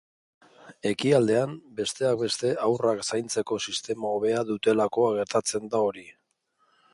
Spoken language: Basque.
Ekialdean, besteak beste, haurrak zaintzeko sistema hobea dutelako gertatzen da hori.